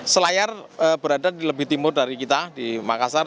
selayar berada di lebih timur dari kita di makassar